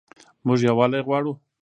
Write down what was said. موږ یووالی غواړو